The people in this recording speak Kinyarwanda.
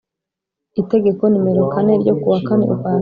Itegeko nimero kane ryo ku wa kane Ukwakira